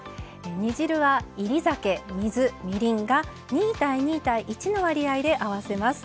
煮汁は煎り酒水みりんが２：２：１の割合で合わせます。